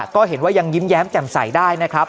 ก็เห็นว่ายังยิ้มแย้มแจ่มใสได้นะครับ